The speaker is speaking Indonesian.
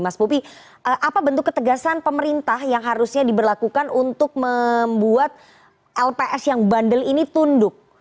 mas bobi apa bentuk ketegasan pemerintah yang harusnya diberlakukan untuk membuat lps yang bandel ini tunduk